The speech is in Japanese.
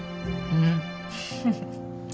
うん。